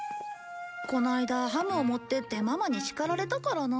この間ハムを持っていってママに叱られたからな。